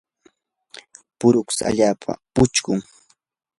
puruksa allaapa puchqun.